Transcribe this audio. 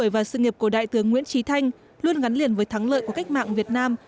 và sự nghiệp của đại tướng nguyễn trí thanh luôn gắn liền với thắng lợi của cách mạng việt nam